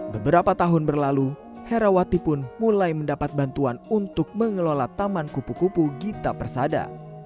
beberapa tahun berlalu herawati pun mulai mendapat bantuan untuk mengelola taman kupu kupu gita persada